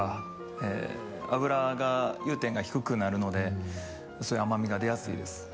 え脂が融点が低くなるのでそういう甘味が出やすいです。